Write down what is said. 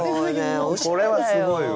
これはすごいわ。